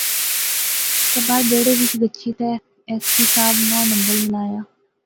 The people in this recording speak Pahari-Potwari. تے باہر بیڑے وچ گچھی تہ ایس پی صاحب ناں نمبر ملایا